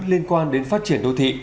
liên quan đến phát triển đô thị